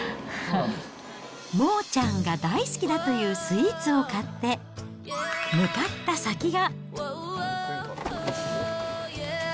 モーちゃんが大好きだというスイーツを買って、向かった先が。